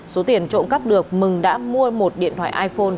số tiền trộm cắp được mừng đã mua một điện thoại iphone